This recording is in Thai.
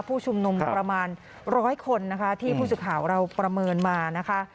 ผู้ชุมนุมประมาณร้อยคนนะคะที่ผู้สื่อข่าวเราประเมินมานะคะ